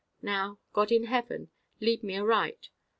Now God in heaven, lead me aright.